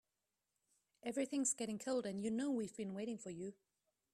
Everything's getting cold and you know we've been waiting for you.